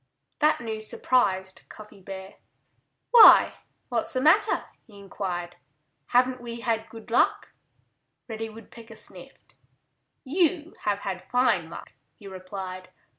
That news surprised Cuffy Bear. "Why, what's the matter?" he inquired. "Haven't we had good luck?" Reddy Woodpecker sniffed. "You have had fine luck," he replied.